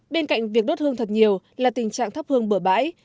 bên cạnh việc đốt hương thật nhiều là tình trạng thắp hương bửa bãi